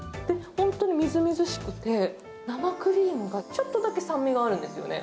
本当にみずみずしくて、生クリームがちょっとだけ酸味があるんですよね。